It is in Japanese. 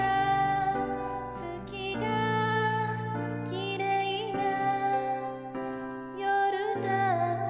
「月がきれいな夜だった」